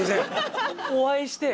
お会いして。